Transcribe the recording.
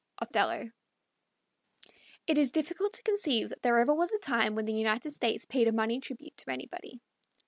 Othello. It is difficult to conceive that there ever was a time when the United States paid a money tribute to anybody.